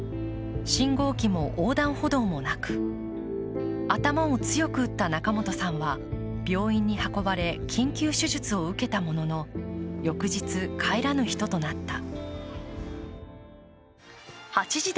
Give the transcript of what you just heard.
信号機も横断歩道もなく、頭を強く打った中本さんは病院に運ばれ、緊急手術を受けたものの翌日、帰らぬ人となった。